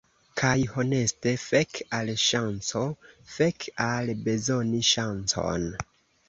Kaj honeste, fek al ŝanco, fek al bezoni ŝancon.